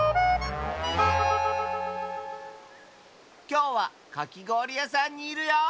きょうはかきごおりやさんにいるよ！